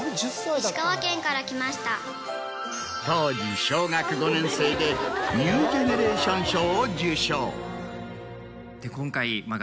当時小学５年生でニュージェネレーション賞を受賞。